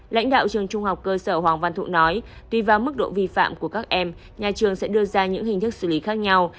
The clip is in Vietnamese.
lãnh đạo trường trung học cơ sở hoàng văn thụ nói tùy vào mức độ vi phạm của các em nhà trường sẽ đưa ra những hình thức xử lý khác nhau